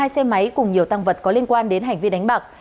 một mươi hai xe máy cùng nhiều tăng vật có liên quan đến hành vi đánh bạc